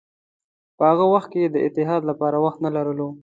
په هغه وخت کې د اتحاد لپاره وخت نه لرو.